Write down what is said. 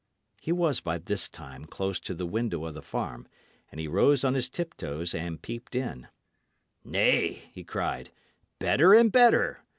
He was by this time close to the window of the farm, and he rose on his tip toes and peeped in. "Nay," he cried, "better and better.